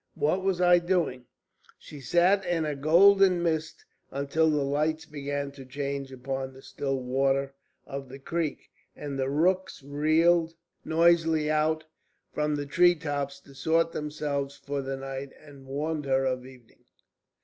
What was I doing?" She sat in a golden mist until the lights began to change upon the still water of the creek, and the rooks wheeled noisily out from the tree tops to sort themselves for the night, and warned her of evening.